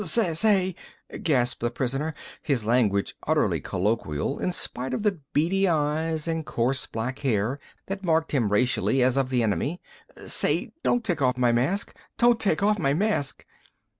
"S s say," gasped the prisoner, his language utterly colloquial in spite of the beady eyes and coarse black hair that marked him racially as of the enemy, "say, don't take off my mask! Don't take off my mask!"